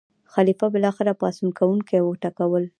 خلیفه بالاخره پاڅون کوونکي وټکول.